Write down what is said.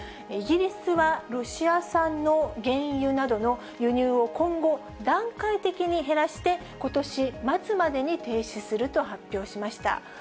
イギリスはロシア産の原油などの輸入を今後、段階的に減らして、ことし末までに停止すると発表しました。